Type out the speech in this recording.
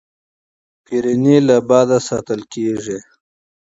پنېر له باده ساتل کېږي.